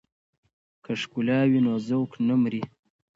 که ښکلا وي نو ذوق نه مري.